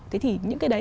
thế thì những cái đấy